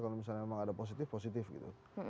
kalau misalnya memang ada positif positif gitu